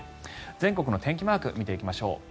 全国の天気マークを見ていきましょう。